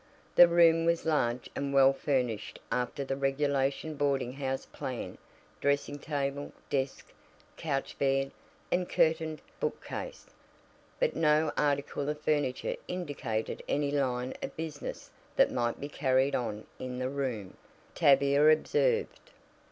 The room was large and well furnished after the regulation boarding house plan dressing table, desk, couch bed, and curtained bookcase, but no article of furniture indicated any line of business that might be carried on in the room, Tavia observed.